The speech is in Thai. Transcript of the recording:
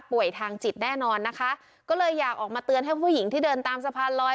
ทางจิตแน่นอนนะคะก็เลยอยากออกมาเตือนให้ผู้หญิงที่เดินตามสะพานลอย